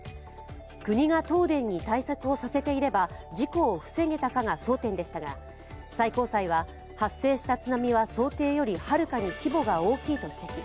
国が東電に対策をさせていれば事故を防げたかが争点でしたが最高裁は発生した津波は想定よりはるかに規模が大きいと指摘。